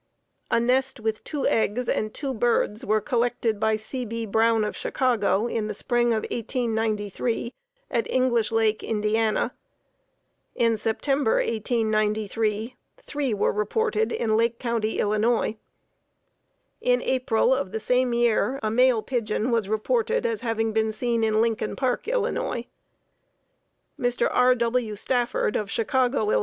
A nest with two eggs and two birds were collected by C. B. Brown of Chicago in the spring of 1893 at English Lake, Ind. In September, 1893, three were reported in Lake County, Ill. In April of the same year, a male pigeon was reported as having been seen in Lincoln Park, Ill. Mr. R. W. Stafford of Chicago, Ill.